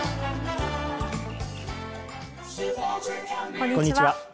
こんにちは。